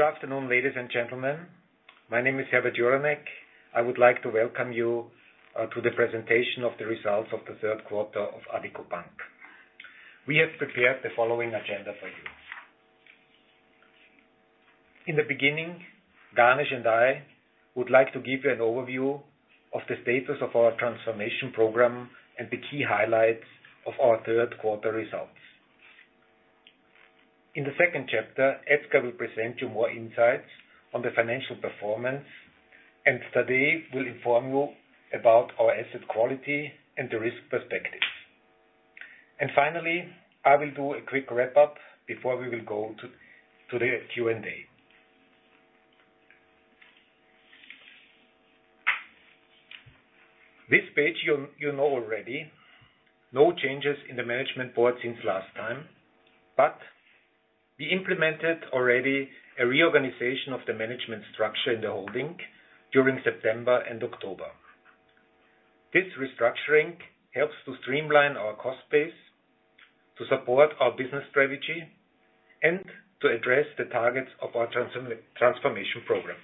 Good afternoon, ladies and gentlemen. My name is Herbert Juranek. I would like to welcome you to the presentation of the results of the third quarter of Addiko Bank. We have prepared the following agenda for you. In the beginning, Ganesh and I would like to give you an overview of the status of our transformation program and the key highlights of our third quarter results. In the second chapter, Edgar will present you more insights on the financial performance, and Tadej will inform you about our asset quality and the risk perspectives. Finally, I will do a quick wrap-up before we will go to the Q&A. This page you know already. No changes in the management board since last time, but we implemented already a reorganization of the management structure in the holding during September and October. This restructuring helps to streamline our cost base, to support our business strategy, and to address the targets of our transformation program.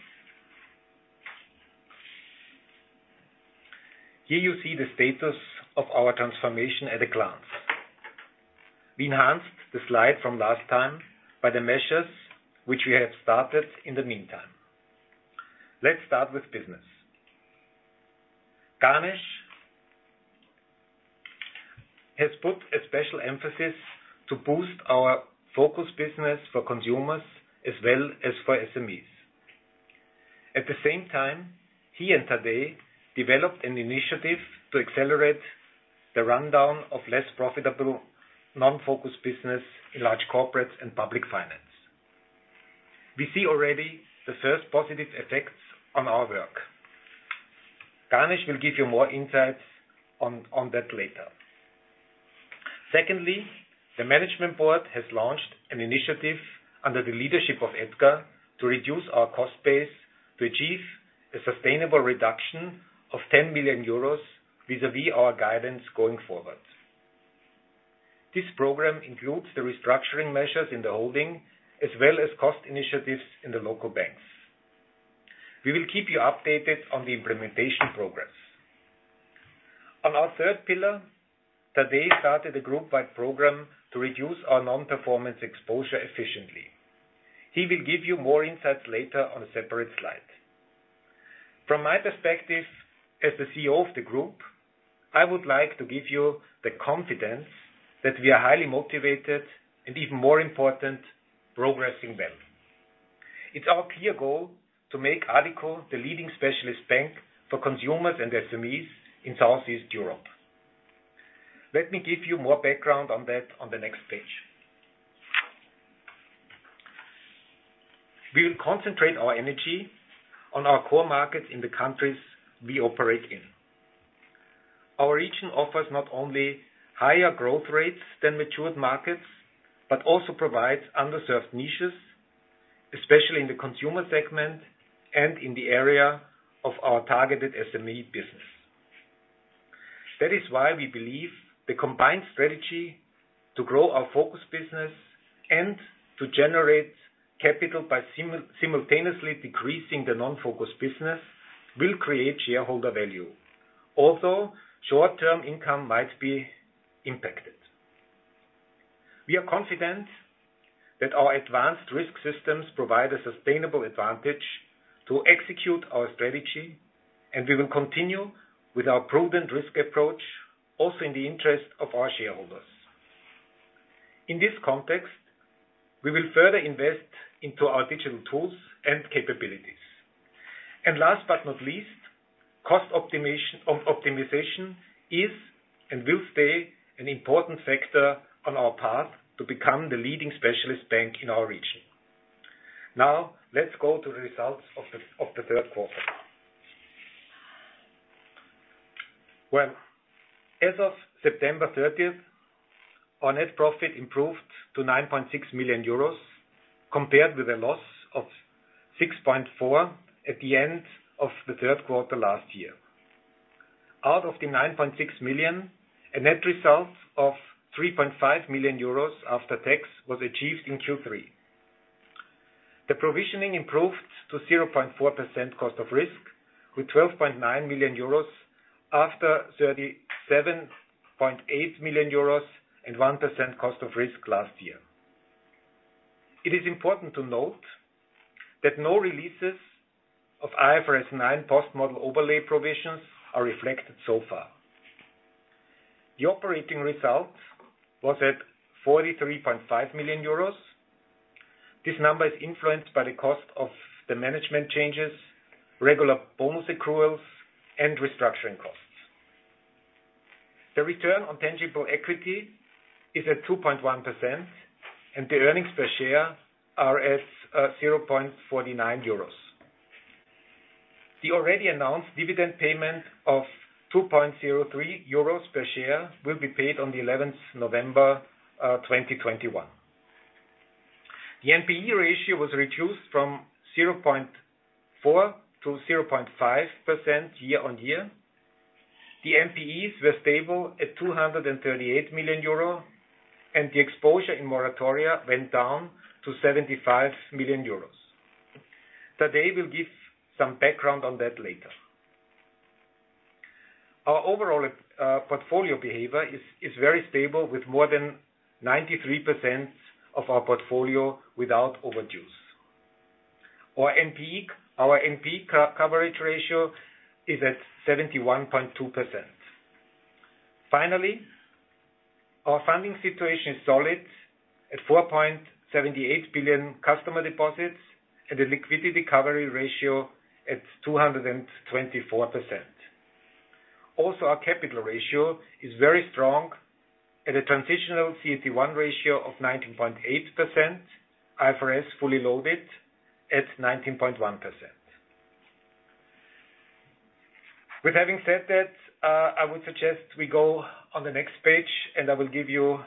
Here you see the status of our transformation at a glance. We enhanced the slide from last time by the measures which we have started in the meantime. Let's start with business. Ganesh has put a special emphasis to boost our focus business for consumers as well as for SMEs. At the same time, he and Tadej developed an initiative to accelerate the rundown of less profitable non-focus business in large corporates and public finance. We see already the first positive effects on our work. Ganesh will give you more insights on that later. Secondly, the management board has launched an initiative under the leadership of Edgar to reduce our cost base to achieve a sustainable reduction of 10 million euros vis-a-vis our guidance going forward. This program includes the restructuring measures in the holding, as well as cost initiatives in the local banks. We will keep you updated on the implementation progress. On our third pillar, Tadej started a group-wide program to reduce our non-performing exposure efficiently. He will give you more insights later on a separate slide. From my perspective, as the CEO of the group, I would like to give you the confidence that we are highly motivated and even more important, progressing well. It's our clear goal to make Addiko the leading specialist bank for consumers and SMEs in Southeast Europe. Let me give you more background on that on the next page. We will concentrate our energy on our core markets in the countries we operate in. Our region offers not only higher growth rates than matured markets, but also provides underserved niches, especially in the consumer segment and in the area of our targeted SME business. That is why we believe the combined strategy to grow our focus business and to generate capital by simultaneously decreasing the non-focus business will create shareholder value. Also, short-term income might be impacted. We are confident that our advanced risk systems provide a sustainable advantage to execute our strategy, and we will continue with our proven risk approach, also in the interest of our shareholders. In this context, we will further invest into our digital tools and capabilities. Last but not least, cost optimization is and will stay an important factor on our path to become the leading specialist bank in our region. Now, let's go to the results of the third quarter. Well, as of September 30th, our net profit improved to 9.6 million euros, compared with a loss of 6.4 million at the end of the third quarter last year. Out of the 9.6 million, a net result of 3.5 million euros after tax was achieved in Q3. The provisioning improved to 0.4% cost of risk, with 12.9 million euros after 37.8 million euros and 1% cost of risk last year. It is important to note that no releases of IFRS 9 post-model overlay provisions are reflected so far. The operating result was at 43.5 million euros. This number is influenced by the cost of the management changes, regular bonus accruals, and restructuring costs. The return on tangible equity is at 2.1%, and the earnings per share are at 0.49 euros. The already announced dividend payment of 2.03 euros per share will be paid on 11 November 2021. The NPE ratio was reduced from 0.4%-0.5% year-on-year. The NPEs were stable at 238 million euro, and the exposure in moratoria went down to 75 million euros. Today, we'll give some background on that later. Our overall portfolio behavior is very stable with more than 93% of our portfolio without overdues. Our NPE coverage ratio is at 71.2%. Finally, our funding situation is solid at 4.78 billion customer deposits and a liquidity coverage ratio at 224%. Also, our capital ratio is very strong at a transitional CET1 ratio of 19.8%, IFRS fully loaded at 19.1%. With having said that, I would suggest we go on the next page, and I will give you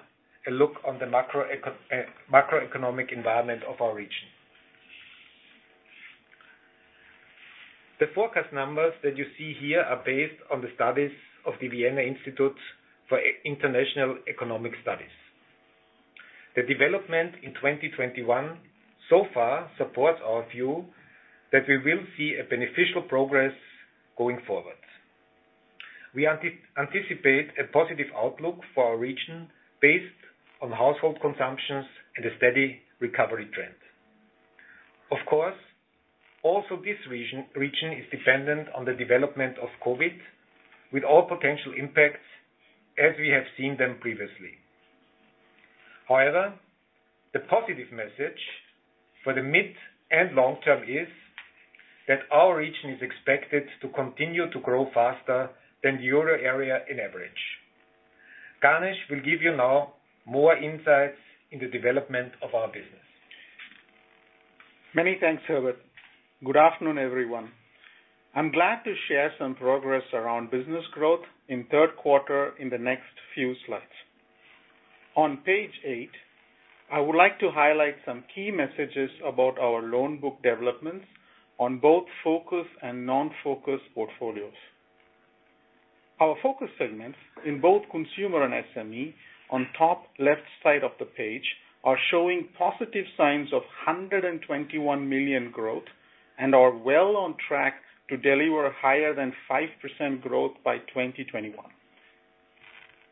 a look on the macroeconomic environment of our region. The forecast numbers that you see here are based on the studies of the Vienna Institute for International Economic Studies. The development in 2021 so far supports our view that we will see a beneficial progress going forward. We anticipate a positive outlook for our region based on household consumptions and a steady recovery trend. Of course, also this region is dependent on the development of COVID, with all potential impacts as we have seen them previously. However, the positive message for the mid and long term is that our region is expected to continue to grow faster than Euro area in average. Ganesh will give you now more insights in the development of our business. Many thanks, Herbert. Good afternoon, everyone. I'm glad to share some progress around business growth in third quarter in the next few slides. On page 8, I would like to highlight some key messages about our loan book developments on both focus and non-focus portfolios. Our focus segments in both consumer and SME on top left side of the page are showing positive signs of 121 million growth and are well on track to deliver higher than 5% growth by 2021.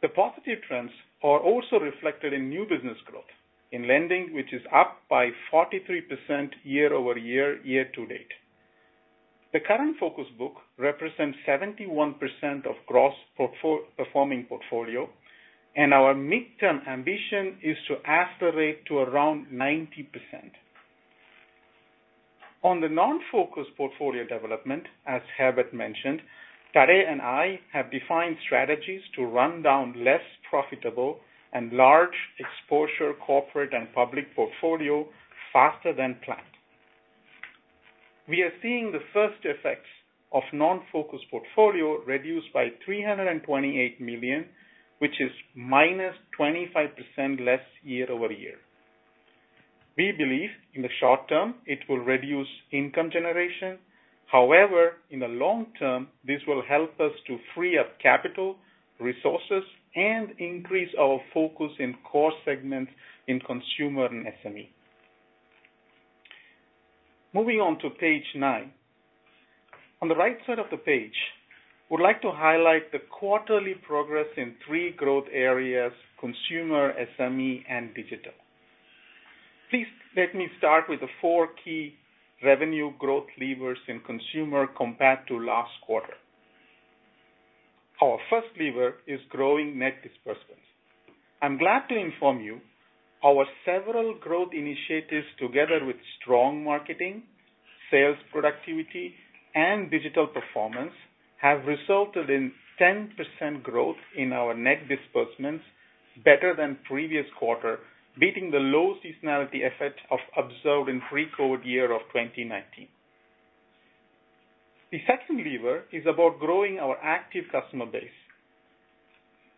The positive trends are also reflected in new business growth, in lending, which is up by 43% year-over-year, year to date. The current focus book represents 71% of gross performing portfolio, and our midterm ambition is to accelerate to around 90%. On the non-focus portfolio development, as Herbert mentioned, Tadej and I have defined strategies to run down less profitable and large exposure corporate and public portfolio faster than planned. We are seeing the first effects of non-focus portfolio reduced by 328 million, which is minus 25% year-over-year. We believe in the short term, it will reduce income generation. However, in the long term, this will help us to free up capital, resources, and increase our focus in core segments in consumer and SME. Moving on to page 9. On the right side of the page, we'd like to highlight the quarterly progress in three growth areas, consumer, SME, and digital. Please let me start with the four key revenue growth levers in consumer compared to last quarter. Our first lever is growing net disbursements. I'm glad to inform you our several growth initiatives, together with strong marketing, sales productivity, and digital performance, have resulted in 10% growth in our net disbursements, better than previous quarter, beating the low seasonality effect observed in pre-COVID year of 2019. The second lever is about growing our active customer base.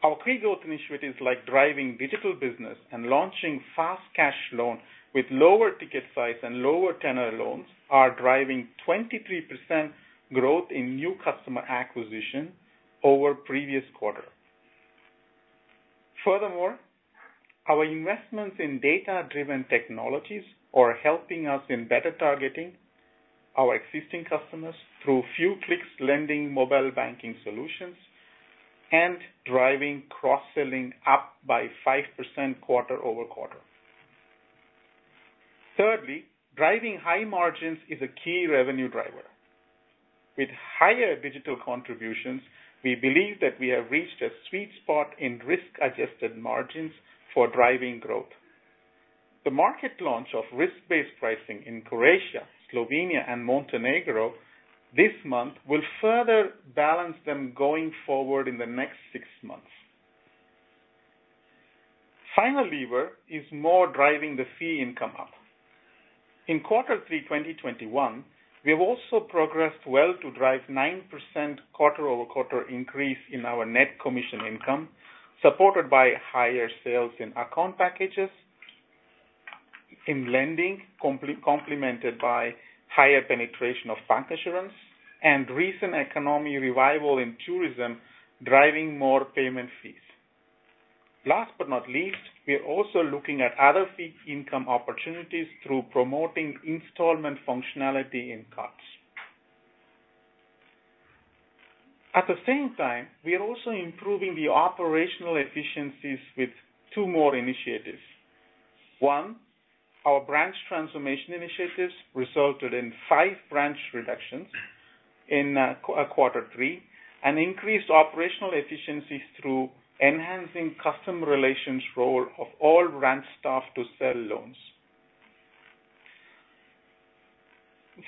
Our key growth initiatives, like driving digital business and launching fast cash loan with lower ticket size and lower tenure loans, are driving 23% growth in new customer acquisition over previous quarter. Furthermore, our investments in data-driven technologies are helping us in better targeting our existing customers through few clicks lending mobile banking solutions and driving cross-selling up by 5% quarter-over-quarter. Thirdly, driving high margins is a key revenue driver. With higher digital contributions, we believe that we have reached a sweet spot in risk-adjusted margins for driving growth. The market launch of risk-based pricing in Croatia, Slovenia, and Montenegro this month will further balance them going forward in the next six months. Final lever is more driving the fee income up. In quarter 3 2021, we have also progressed well to drive 9% quarter-over-quarter increase in our net commission income, supported by higher sales in account packages. In lending, complemented by higher penetration of bancassurance and recent economic revival in tourism, driving more payment fees. Last but not least, we are also looking at other fee income opportunities through promoting installment functionality in cards. At the same time, we are also improving the operational efficiencies with two more initiatives. One, our branch transformation initiatives resulted in five branch reductions in quarter 3 and increased operational efficiencies through enhancing customer relations role of all branch staff to sell loans.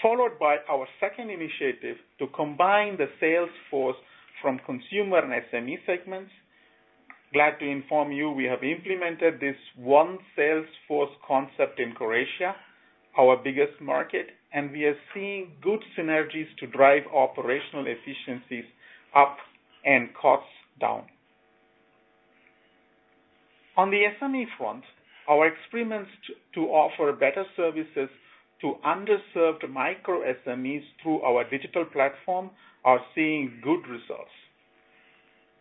Followed by our second initiative to combine the sales force from consumer and SME segments. Glad to inform you we have implemented this one sales force concept in Croatia, our biggest market, and we are seeing good synergies to drive operational efficiencies up and costs down. On the SME front, our experiments to offer better services to underserved micro SMEs through our digital platform are seeing good results.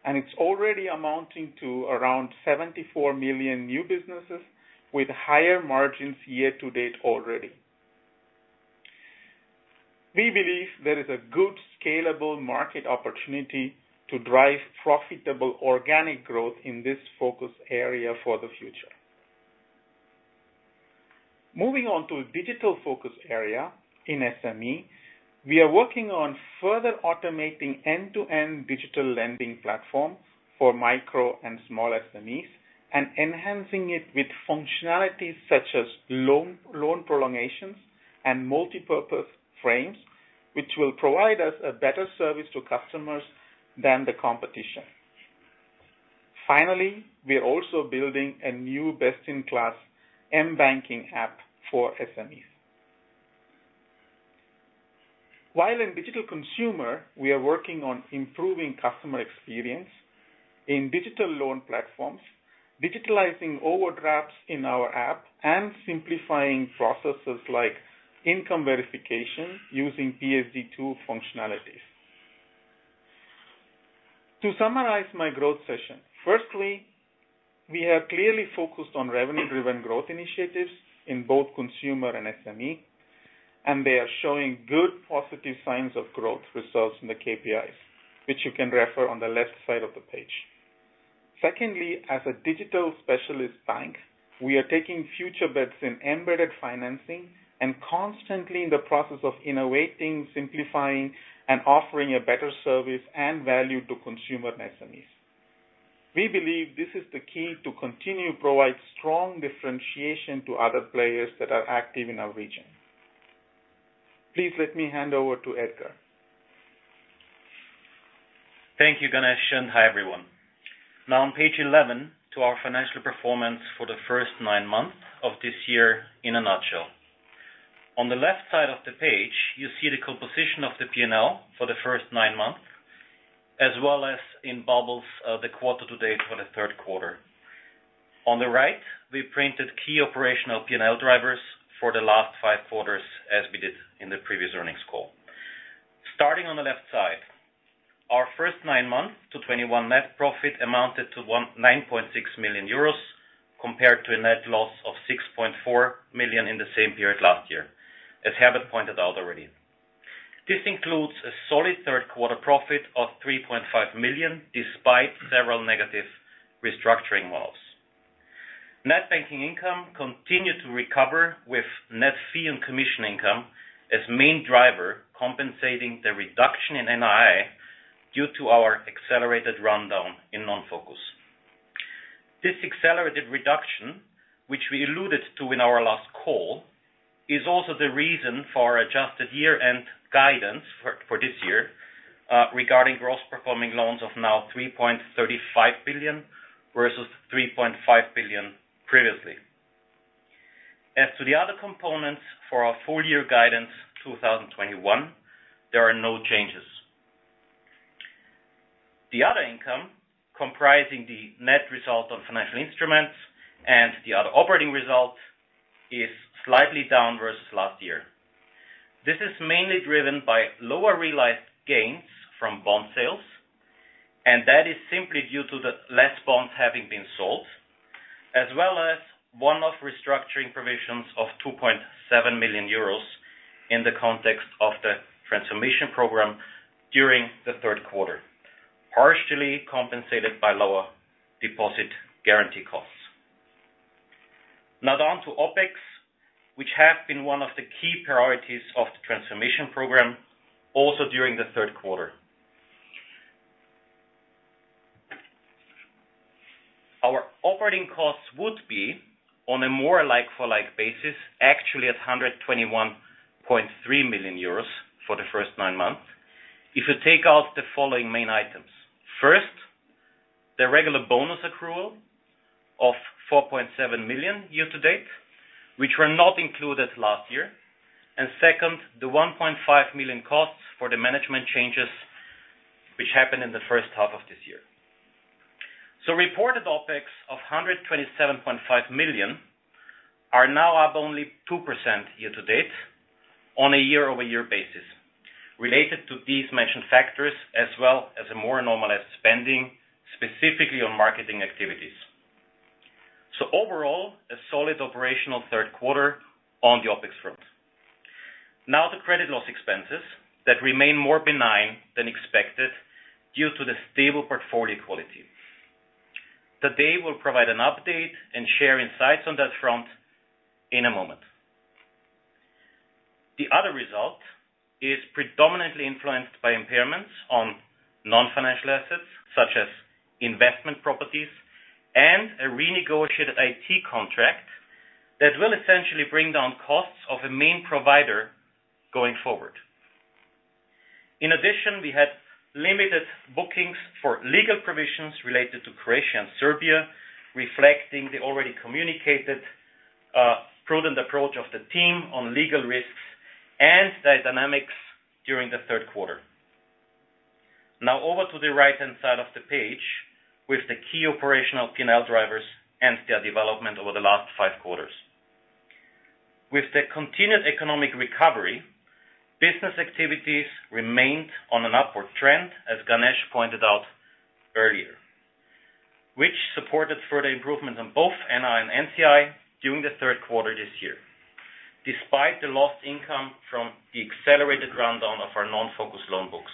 It's already amounting to around 74 million new businesses with higher margins year to date already. We believe there is a good scalable market opportunity to drive profitable organic growth in this focus area for the future. Moving on to a digital focus area in SME, we are working on further automating end-to-end digital lending platforms for micro and small SMEs and enhancing it with functionalities such as loan prolongations and multipurpose frames, which will provide us a better service to customers than the competition. Finally, we are also building a new best-in-class m-banking app for SMEs. While in digital consumer, we are working on improving customer experience in digital loan platforms, digitizing overdrafts in our app, and simplifying processes like income verification using PSD2 functionalities. To summarize my growth session, firstly, we are clearly focused on revenue-driven growth initiatives in both consumer and SME, and they are showing good positive signs of growth results in the KPIs, which you can refer on the left side of the page. Secondly, as a digital specialist bank, we are taking future bets in embedded financing and constantly in the process of innovating, simplifying, and offering a better service and value to consumer and SMEs. We believe this is the key to continue provide strong differentiation to other players that are active in our region. Please let me hand over to Edgar. Thank you, Ganesh, and hi, everyone. Now on page 11 to our financial performance for the first nine months of this year in a nutshell. On the left side of the page, you see the composition of the P&L for the first nine months, as well as in bubbles, the quarter to date for the third quarter. On the right, we printed key operational P&L drivers for the last five quarters as we did in the previous earnings call. Starting on the left side, our first nine months of 2021 net profit amounted to 19.6 million euros compared to a net loss of 6.4 million in the same period last year, as Herbert pointed out already. This includes a solid third quarter profit of 3.5 million, despite several negative restructuring models. Net banking income continued to recover with net fee and commission income as main driver compensating the reduction in NII due to our accelerated rundown in non-focus. This accelerated reduction, which we alluded to in our last call, is also the reason for our adjusted year-end guidance for this year regarding gross performing loans of now 3.35 billion versus 3.5 billion previously. As to the other components for our full year guidance 2021, there are no changes. The other income comprising the net result of financial instruments and the other operating results is slightly down versus last year. This is mainly driven by lower realized gains from bond sales, and that is simply due to fewer bonds having been sold, as well as one-off restructuring provisions of 2.7 million euros in the context of the transformation program during the third quarter, partially compensated by lower deposit guarantee costs. Now on to OPEX, which has been one of the key priorities of the transformation program also during the third quarter. Our operating costs would be on a more like-for-like basis, actually at 121.3 million euros for the first nine months. If you take out the following main items: First, the regular bonus accrual of 4.7 million year to date, which were not included last year. Second, the 1.5 million costs for the management changes which happened in the first half of this year. Reported OPEX of 127.5 million are now up only 2% year-to-date on year-over-year related to these mentioned factors, as well as a more normalized spending, specifically on marketing activities. Overall, a solid operational third quarter on the OPEX front. Now the credit loss expenses that remain more benign than expected due to the stable portfolio quality. Tadej will provide an update and share insights on that front in a moment. The other result is predominantly influenced by impairments on non-financial assets such as investment properties and a renegotiated IT contract that will essentially bring down costs of a main provider going forward. In addition, we had limited bookings for legal provisions related to Croatia and Serbia, reflecting the already communicated, prudent approach of the team on legal risks and the dynamics during the third quarter. Now over to the right-hand side of the page with the key operational P&L drivers and their development over the last five quarters. With the continued economic recovery, business activities remained on an upward trend, as Ganesh pointed out earlier, which supported further improvements on both NII and NCI during the third quarter this year, despite the lost income from the accelerated rundown of our non-focus loan books.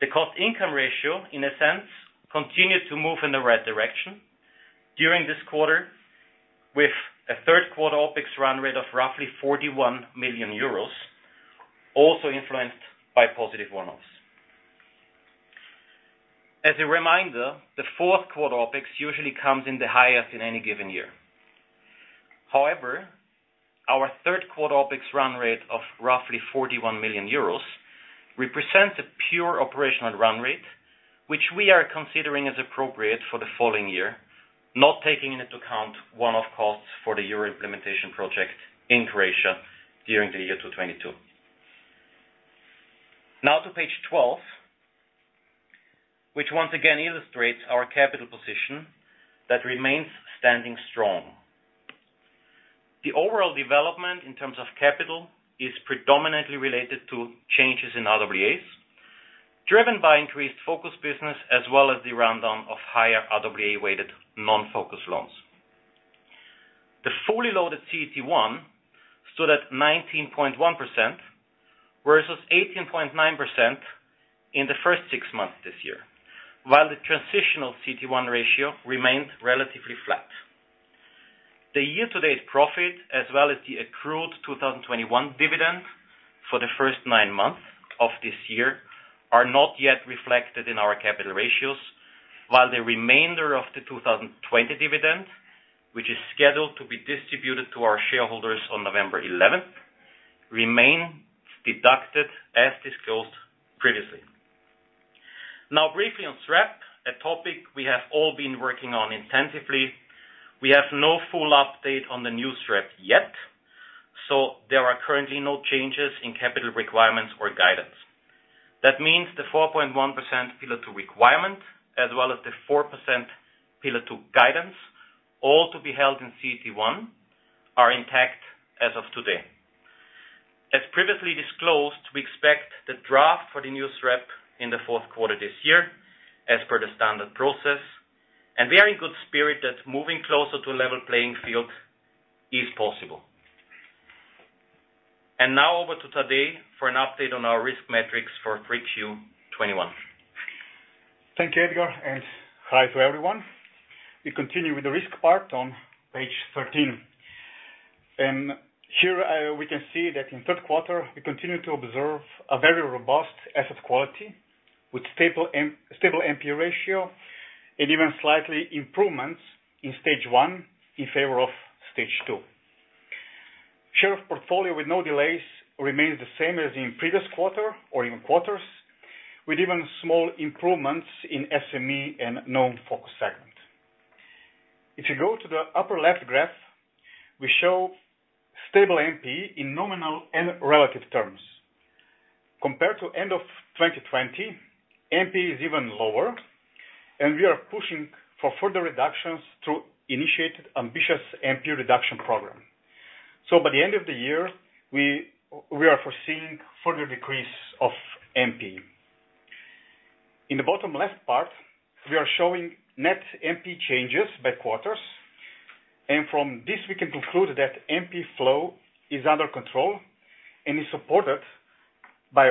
The cost income ratio, in a sense, continued to move in the right direction during this quarter with a third-quarter OPEX run rate of roughly 41 million euros, also influenced by positive one-offs. As a reminder, the fourth quarter OPEX usually comes in the highest in any given year. However, our third quarter OPEX run rate of roughly 41 million euros represents a pure operational run rate, which we are considering as appropriate for the following year, not taking into account one-off costs for the Euro implementation project in Croatia during the year 2022. Now to page 12, which once again illustrates our capital position that remains standing strong. The overall development in terms of capital is predominantly related to changes in RWAs, driven by increased focus business as well as the rundown of higher RWA-weighted non-focus loans. The fully loaded CET1 stood at 19.1% versus 18.9% in the first six months this year, while the transitional CET1 ratio remained relatively flat. The year-to-date profit, as well as the accrued 2021 dividend for the first nine months of this year, are not yet reflected in our capital ratios, while the remainder of the 2020 dividend, which is scheduled to be distributed to our shareholders on November eleventh, remain deducted as disclosed previously. Now, briefly on SREP, a topic we have all been working on intensively. We have no full update on the new SREP yet, so there are currently no changes in capital requirements or guidance. That means the 4.1% Pillar 2 requirement as well as the 4% Pillar 2 guidance, all to be held in CET1, are intact as of today. As previously disclosed, we expect the draft for the new SREP in the fourth quarter this year as per the standard process, and we are in good spirit that moving closer to a level playing field is possible. Now over to Tadej for an update on our risk metrics for Q3 2021. Thank you, Edgar, and hi to everyone. We continue with the risk part on page 13. Here, we can see that in third quarter, we continue to observe a very robust asset quality with stable NP ratio and even slightly improvements in Stage 1 in favor of Stage 2. Share of portfolio with no delays remains the same as in previous quarter or in quarters, with even small improvements in SME and known focus segment. If you go to the upper left graph, we show stable NP in nominal and relative terms. Compared to end of 2020, NP is even lower, and we are pushing for further reductions through initiated ambitious NP reduction program. By the end of the year, we are foreseeing further decrease of NP. In the bottom left part, we are showing net NP changes by quarters, and from this we can conclude that NP flow is under control and is supported by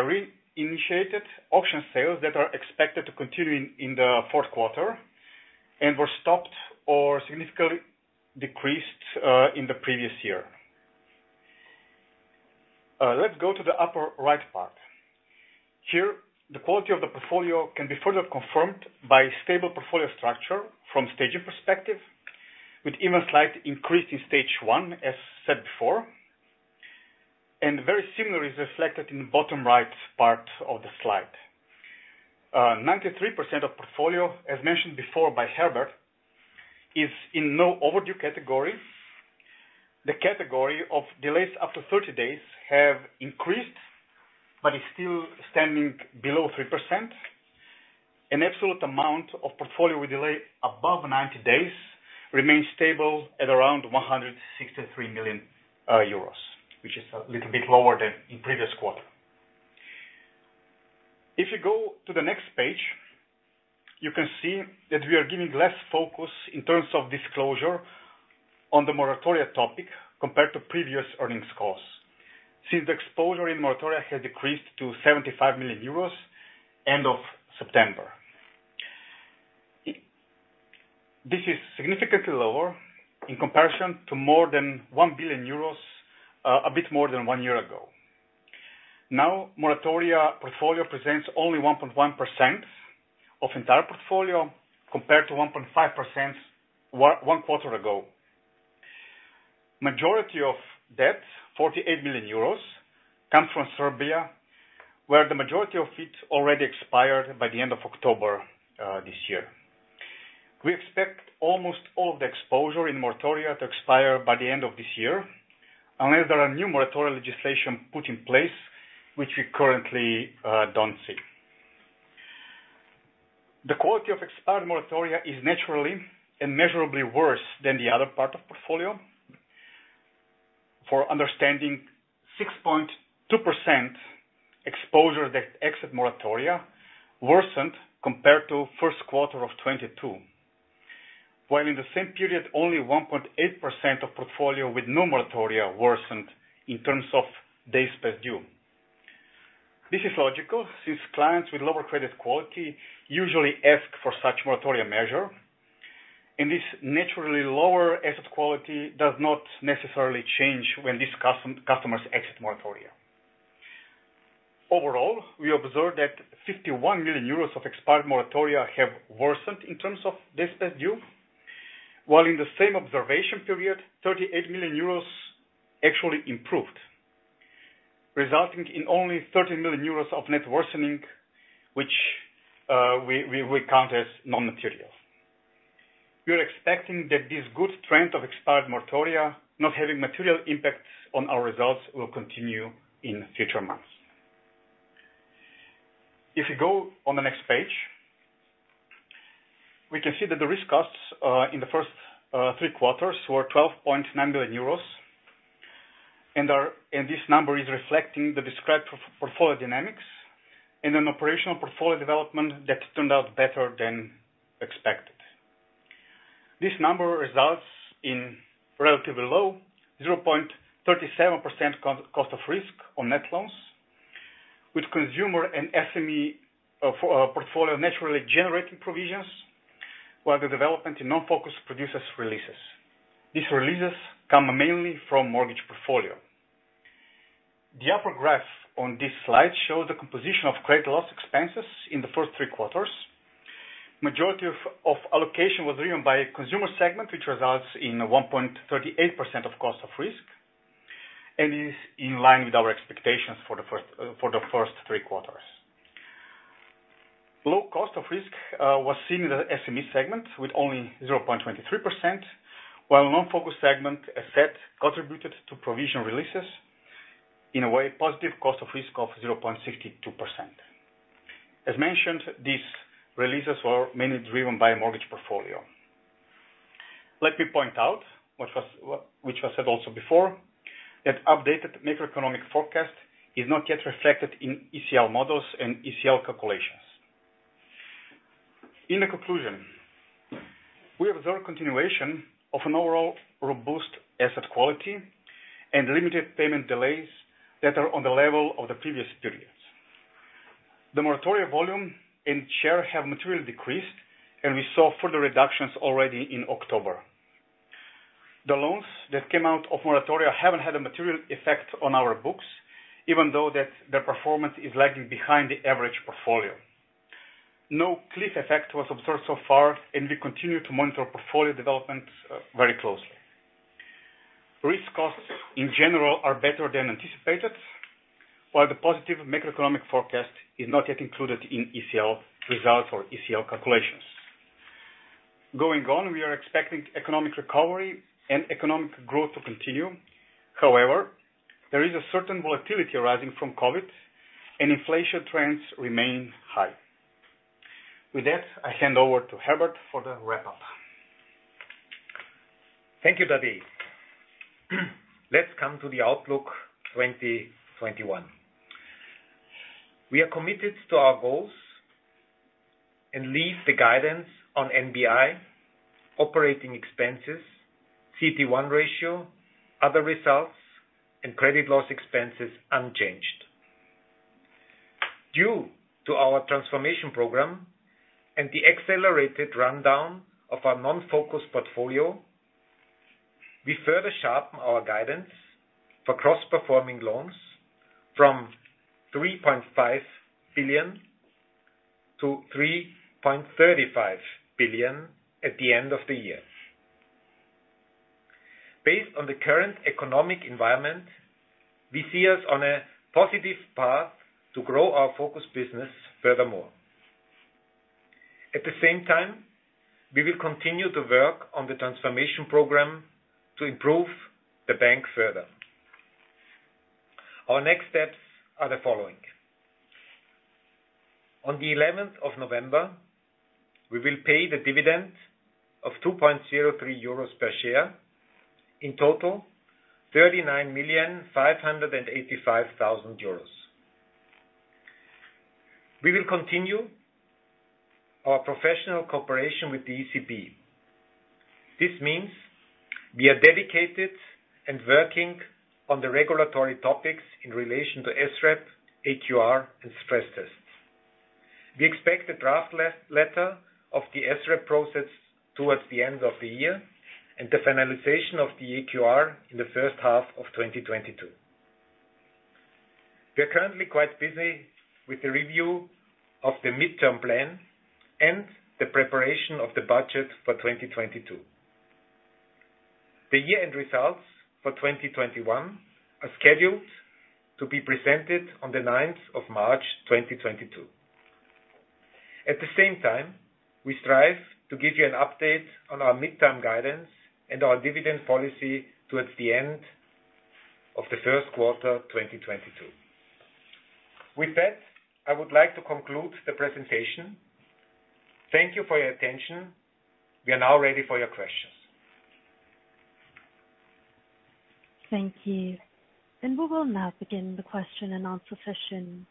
re-initiated auction sales that are expected to continue in the fourth quarter and were stopped or significantly decreased in the previous year. Let's go to the upper right part. Here, the quality of the portfolio can be further confirmed by stable portfolio structure from staging perspective, with even slight increase in Stage 1, as said before. Very similar is reflected in the bottom right part of the slide. Ninety-three percent of portfolio, as mentioned before by Herbert, is in no overdue category. The category of delays after 30 days have increased, but is still standing below 3%. Absolute amount of portfolio delay above 90 days remains stable at around 163 million euros, which is a little bit lower than in previous quarter. If you go to the next page, you can see that we are giving less focus in terms of disclosure on the moratoria topic compared to previous earnings calls, since the exposure in moratoria has decreased to 75 million euros end of September. This is significantly lower in comparison to more than 1 billion euros a bit more than one year ago. Moratoria portfolio presents only 1.1% of entire portfolio, compared to 1.5% one quarter ago. Majority of debt, 48 million euros, come from Serbia, where the majority of it already expired by the end of October this year. We expect almost all the exposure in moratoria to expire by the end of this year, unless there are new moratoria legislation put in place, which we currently don't see. The quality of expired moratoria is naturally measurably worse than the other part of portfolio. For understanding, 6.2% exposure that exit moratoria worsened compared to Q1 2022. While in the same period, only 1.8% of portfolio with no moratoria worsened in terms of days past due. This is logical, since clients with lower credit quality usually ask for such moratoria measure, and this naturally lower asset quality does not necessarily change when these customers exit moratoria. Overall, we observed that 51 million euros of expired moratoria have worsened in terms of days past due. While in the same observation period, 38 million euros actually improved, resulting in only 30 million euros of net worsening, which we will count as non-material. We are expecting that this good trend of expired moratoria not having material impacts on our results will continue in future months. If you go on the next page, we can see that the risk costs in the first three quarters were 12.9 million euros, and this number is reflecting the described portfolio dynamics and an operational portfolio development that turned out better than expected. This number results in relatively low 0.37% cost of risk on net loans, with consumer and SME portfolio naturally generating provisions, while the development in non-focus produces releases. These releases come mainly from mortgage portfolio. The upper graph on this slide shows the composition of credit loss expenses in the first three quarters. Majority of allocation was driven by consumer segment, which results in 1.38% of cost of risk and is in line with our expectations for the first three quarters. Low cost of risk was seen in the SME segment with only 0.23%, while non-focus segment asset contributed to provision releases in a way, positive cost of risk of 0.62%. As mentioned, these releases were mainly driven by mortgage portfolio. Let me point out which was said also before, that updated macroeconomic forecast is not yet reflected in ECL models and ECL calculations. In the conclusion, we observe continuation of an overall robust asset quality and limited payment delays that are on the level of the previous periods. The moratoria volume and share have materially decreased, and we saw further reductions already in October. The loans that came out of moratoria haven't had a material effect on our books, even though their performance is lagging behind the average portfolio. No cliff effect was observed so far, and we continue to monitor portfolio development very closely. Risk costs in general are better than anticipated, while the positive macroeconomic forecast is not yet included in ECL results or ECL calculations. Going on, we are expecting economic recovery and economic growth to continue. However, there is a certain volatility arising from COVID, and inflation trends remain high. With that, I hand over to Herbert for the wrap-up. Thank you, Tadej. Let's come to the outlook 2021. We are committed to our goals and leave the guidance on NBI operating expenses, CET1 ratio, other results, and credit loss expenses unchanged. Due to our transformation program and the accelerated rundown of our non-focus portfolio, we further sharpen our guidance for non-performing loans from 3.5 billion-3.35 billion at the end of the year. Based on the current economic environment, we see us on a positive path to grow our focus business furthermore. At the same time, we will continue to work on the transformation program to improve the bank further. Our next steps are the following. On the 11th of November, we will pay the dividend of 2.03 euros per share. In total, 39,585,000 euros. We will continue our professional cooperation with the ECB. This means we are dedicated and working on the regulatory topics in relation to SREP, AQR, and stress tests. We expect the draft letter of the SREP process towards the end of the year and the finalization of the AQR in the first half of 2022. We are currently quite busy with the review of the midterm plan and the preparation of the budget for 2022. The year-end results for 2021 are scheduled to be presented on the 9th of March, 2022. At the same time, we strive to give you an update on our midterm guidance and our dividend policy towards the end of the first quarter, 2022. With that, I would like to conclude the presentation. Thank you for your attention. We are now ready for your questions. Thank you. We will now begin the question and answer session.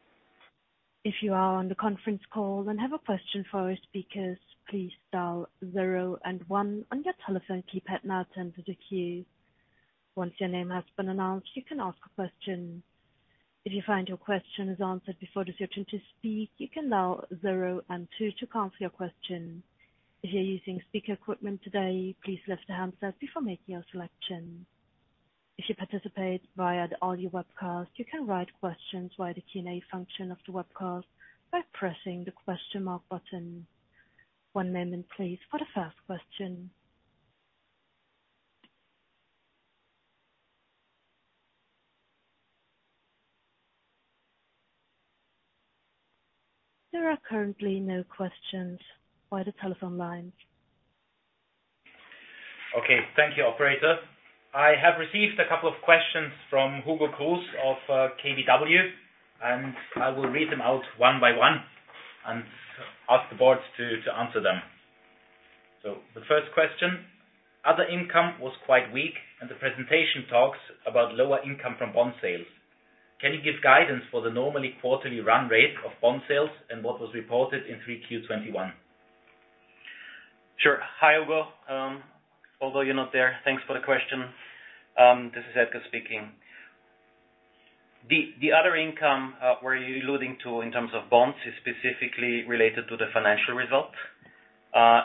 If you are on the conference call and have a question for our speakers, please dial zero and one on your telephone keypad now to enter the queue. Once your name has been announced, you can ask a question. If you find your question is answered before it is your turn to speak, you can dial zero and two to cancel your question. If you're using speaker equipment today, please lift the handset before making your selection. If you participate via the audio webcast, you can write questions via the Q&A function of the webcast by pressing the question mark button. One moment, please, for the first question. There are currently no questions via the telephone lines. Okay. Thank you, operator. I have received a couple of questions from Hugo Cruz of KBW, and I will read them out one by one and ask the board to answer them. The first question, other income was quite weak, and the presentation talks about lower income from bond sales. Can you give guidance for the normally quarterly run rate of bond sales and what was reported in Q3 2021? Sure. Hi, Hugo. Although you're not there, thanks for the question. This is Edgar speaking. The other income you were alluding to in terms of bonds is specifically related to the financial result.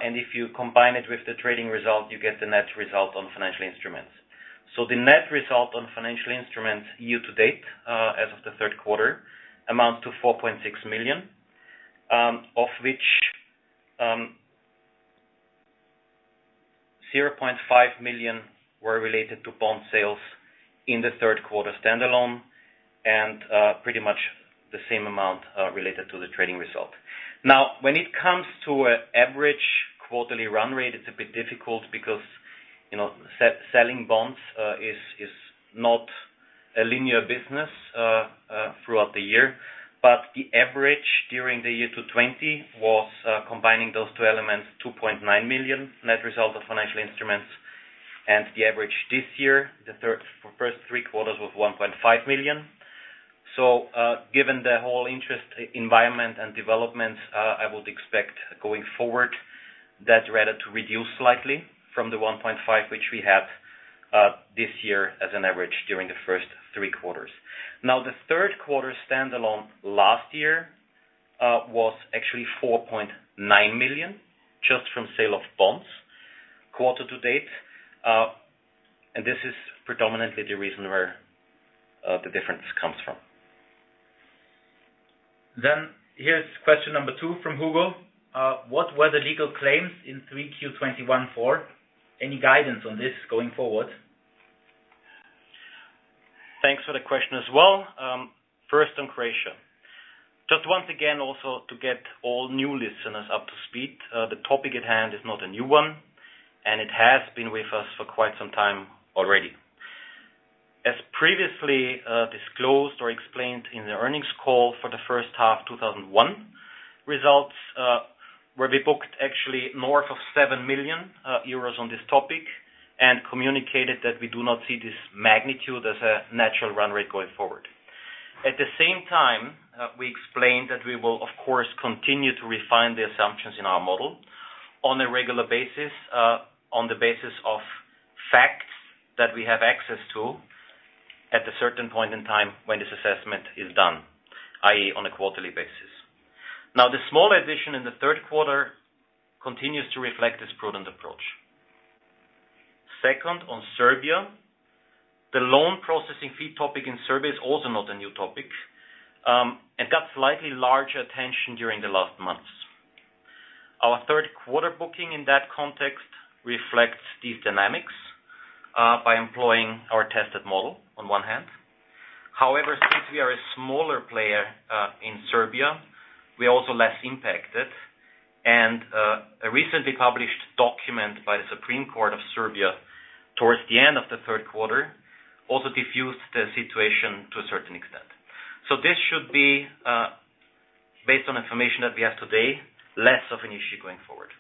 If you combine it with the trading result, you get the net result on financial instruments. The net result on financial instruments year to date, as of the third quarter, amounts to 4.6 million, of which, 0.5 million were related to bond sales in the third quarter standalone, and pretty much the same amount related to the trading result. Now, when it comes to an average quarterly run rate, it's a bit difficult because, you know, selling bonds is not a linear business throughout the year. The average during the year 2020 was, combining those two elements, 2.9 million net result of financial instruments. The average this year, the first three quarters, was 1.5 million. Given the whole interest environment and developments, I would expect going forward that rate to reduce slightly from the 1.5, which we had, this year as an average during the first three quarters. Now, the third quarter standalone last year was actually 4.9 million just from sale of bonds quarter to date. And this is predominantly the reason where the difference comes from. Here's question number two from Hugo. What were the legal claims in Q3 2021 for? Any guidance on this going forward? Thanks for the question as well. First on Croatia. Just once again, also to get all new listeners up to speed, the topic at hand is not a new one, and it has been with us for quite some time already. As previously disclosed or explained in the earnings call for the first half 2021 results, where we booked actually north of 7 million euros on this topic and communicated that we do not see this magnitude as a natural run rate going forward. At the same time, we explained that we will, of course, continue to refine the assumptions in our model on a regular basis, on the basis of facts that we have access to at a certain point in time when this assessment is done, i.e., on a quarterly basis. Now, the small addition in the third quarter continues to reflect this prudent approach. Second, on Serbia, the loan processing fee topic in Serbia is also not a new topic, and got slightly larger attention during the last months. Our third quarter booking in that context reflects these dynamics by employing our tested model on one hand. However, since we are a smaller player in Serbia, we are also less impacted. A recently published document by the Supreme Court of Serbia towards the end of the third quarter also defused the situation to a certain extent. This should be, based on information that we have today, less of an issue going forward.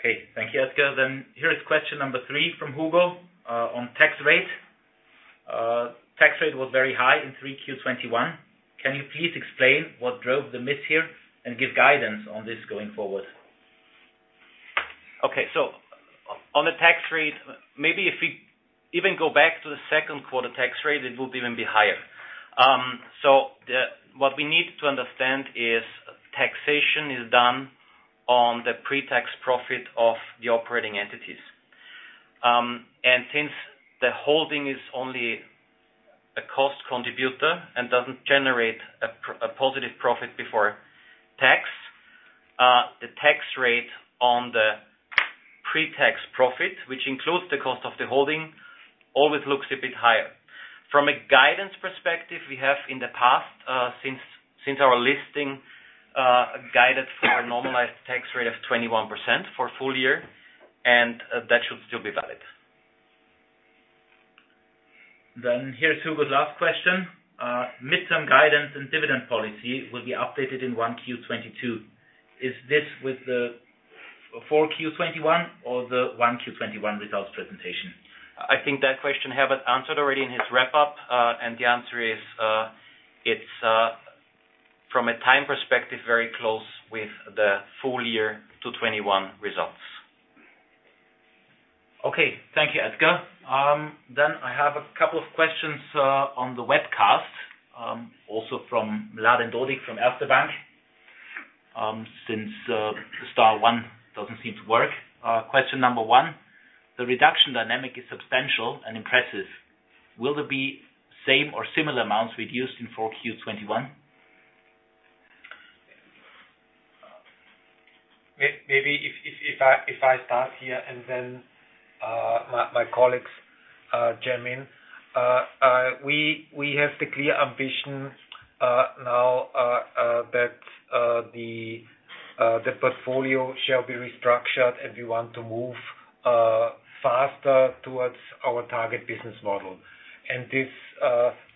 Okay. Thank you, Edgar. Here is question number three from Hugo, on tax rate. Tax rate was very high in Q3 2021. Can you please explain what drove the miss here and give guidance on this going forward? Okay. On the tax rate, maybe if we even go back to the second quarter tax rate, it will even be higher. What we need to understand is taxation is done on the pre-tax profit of the operating entities. And since the holding is only a cost contributor and doesn't generate a positive profit before tax, the tax rate on the pre-tax profit, which includes the cost of the holding, always looks a bit higher. From a guidance perspective, we have in the past, since our listing, guided for a normalized tax rate of 21% for full year, and that should still be valid. Here's Hugo's last question. Midterm guidance and dividend policy will be updated in 1Q 2022. Is this with the 4Q 2021 or the 1Q 2021 results presentation? I think that question Herbert answered already in his wrap-up, and the answer is it's from a time perspective very close with the full year 2021 results. Okay. Thank you, Edgar. I have a couple of questions on the webcast also from Mladen Dodig from Erste Group Bank AG since star one doesn't seem to work. Question number one, the reduction dynamic is substantial and impressive. Will there be same or similar amounts reduced in Q4 2021? Maybe if I start here and then my colleagues chime in. We have the clear ambition now that the portfolio shall be restructured, and we want to move faster towards our target business model. This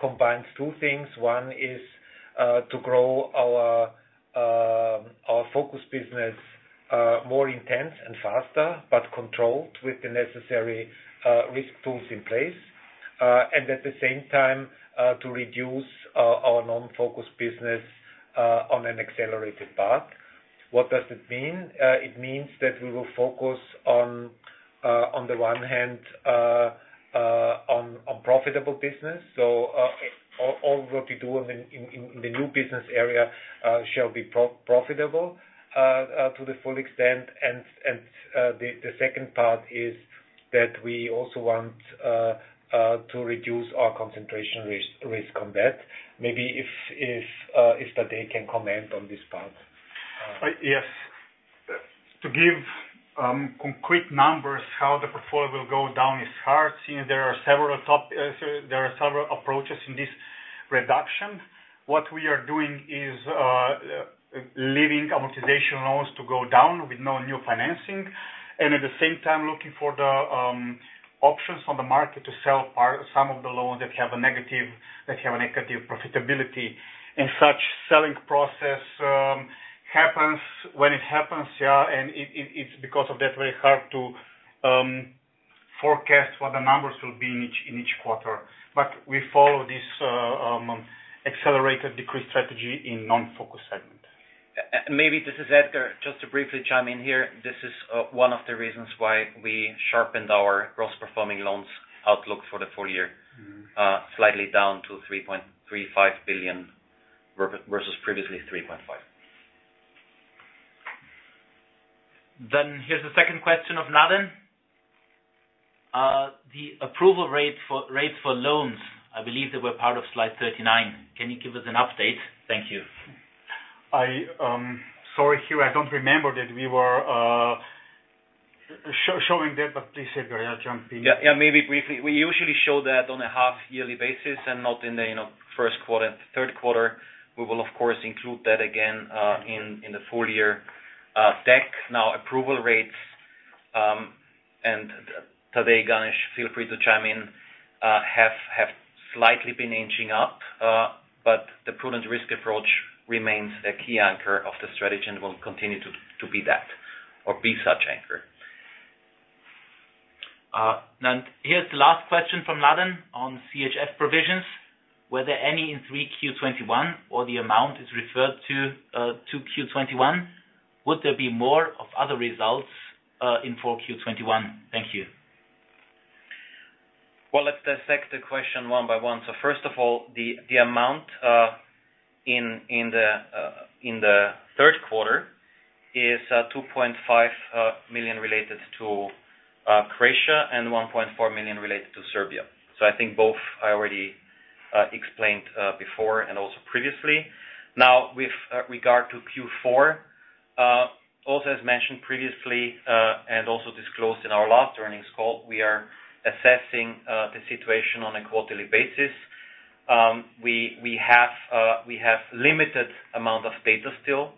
combines two things. One is to grow our focus business more intense and faster, but controlled with the necessary risk tools in place. At the same time, to reduce our non-focus business on an accelerated path. What does it mean? It means that we will focus on the one hand on profitable business. All what we do in the new business area shall be profitable to the full extent. The second part is that we also want to reduce our concentration risk on that. Maybe if Tadej can comment on this part. Yes. To give concrete numbers, how the portfolio will go down is hard, seeing there are several approaches in this reduction. What we are doing is leaving amortization loans to go down with no new financing, and at the same time looking for the options on the market to sell some of the loans that have a negative profitability. Such selling process happens when it happens, and it's because of that very hard to forecast what the numbers will be in each quarter. We follow this accelerated decrease strategy in non-focus segment. Maybe this is Edgar Flaggl. Just to briefly chime in here, this is one of the reasons why we sharpened our gross performing loans outlook for the full year, slightly down to 3.35 billion versus previously 3.5 billion. Here's the second question of Mladen. The approval rate for loans, I believe they were part of slide 39. Can you give us an update? Thank you. Sorry, here I don't remember that we were showing that, but please, uncertain, I'll jump in. Yeah. Yeah, maybe briefly. We usually show that on a half-yearly basis and not in the first quarter, third quarter. We will of course include that again in the full year deck. Now, approval rates and Tadej, Ganesh, feel free to chime in, have slightly been inching up, but the prudent risk approach remains a key anchor of the strategy and will continue to be that or be such anchor. Now here's the last question from Mladen Dodig on CHF provisions. Were there any in 3Q 2021 or the amount is referred to Q 2021? Would there be more of other results in 4Q 2021? Thank you. Well, let's dissect the question one by one. First of all, the amount in the third quarter is 2.5 million related to Croatia and 1.4 million related to Serbia. I think both I already explained before and also previously. Now with regard to Q4, also as mentioned previously, and also disclosed in our last earnings call, we are assessing the situation on a quarterly basis. We have limited amount of data still,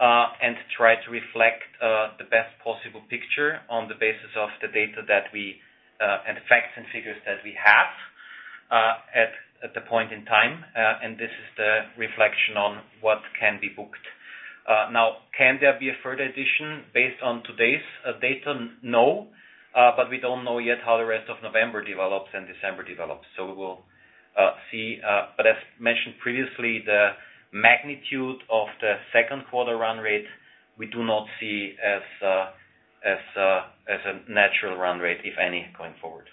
and try to reflect the best possible picture on the basis of the data that we and the facts and figures that we have at the point in time. And this is the reflection on what can be booked. Now, can there be a further addition based on today's data? No. But we don't know yet how the rest of November develops and December develops. We will see. As mentioned previously, the magnitude of the second quarter run rate, we do not see as a natural run rate, if any, going forward.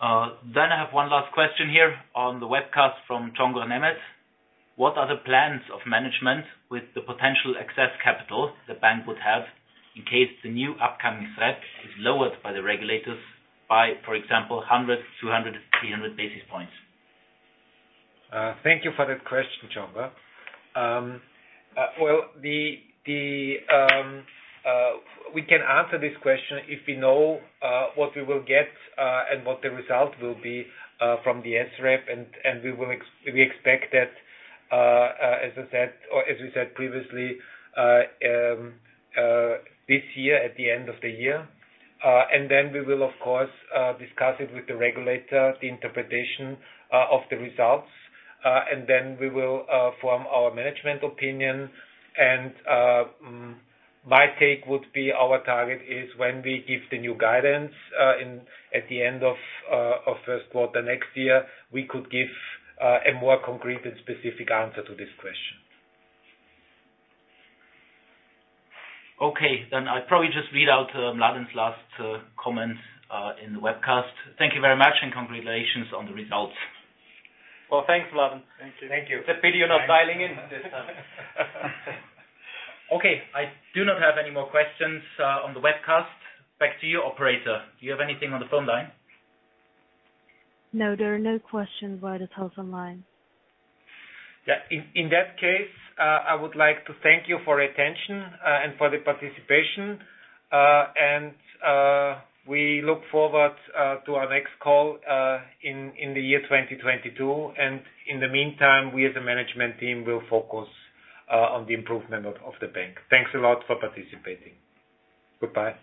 I have one last question here on the webcast from Zsombor Nemes. What are the plans of management with the potential excess capital the bank would have in case the new upcoming threat is lowered by the regulators by, for example, 100, 200, 300 basis points? Thank you for that question, Zsombor. Well, we can answer this question if we know what we will get and what the result will be from the SREP. We expect that, as I said or as we said previously, this year at the end of the year. Then we will of course discuss it with the regulator, the interpretation of the results. Then we will form our management opinion. My take would be our target is when we give the new guidance at the end of first quarter next year, we could give a more concrete and specific answer to this question. Okay. I'll probably just read out Mladen's last comments in the webcast. Thank you very much, and congratulations on the results. Well, thanks, Mladen. Thank you. Thank you. It's a pity you're not dialing in this time. Okay. I do not have any more questions on the webcast. Back to you, operator. Do you have anything on the phone line? No, there are no questions via the telephone line. Yeah. In that case, I would like to thank you for your attention and for the participation. We look forward to our next call in the year 2022. In the meantime, we as a management team will focus on the improvement of the bank. Thanks a lot for participating. Goodbye.